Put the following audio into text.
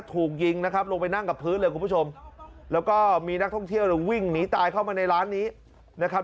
ถูกยิงนะครับลงไปนั่งกับพื้นเลยคุณผู้ชมแล้วก็มีนักท่องเที่ยวเนี่ยวิ่งหนีตายเข้ามาในร้านนี้นะครับ